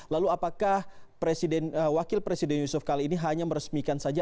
lalu apakah wakil presiden yusuf kali ini hanya meresmikan saja